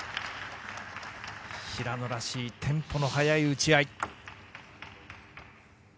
平野らしいテンポの速い打ち合い。